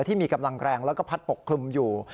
ที่มีกำลังแรงแล้วก็พัดปกคลุมอยู่